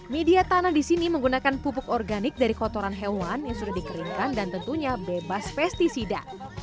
media tanah di sini menggunakan pupuk organik dari kotoran hewan yang sudah dikeringkan dan tentunya bebas pesticida